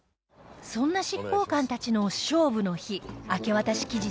そんな執行官たちの勝負の日明け渡し期日